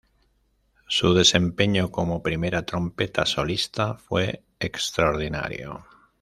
Su desempeño como primera trompeta solista fue extraordinario.